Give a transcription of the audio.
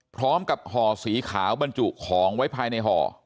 พร้อมกับห่อสีขาวบรรจุของไว้ภายในห่อ